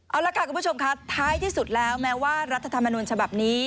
เอาละค่ะคุณผู้ชมค่ะท้ายที่สุดแล้วแม้ว่ารัฐธรรมนูญฉบับนี้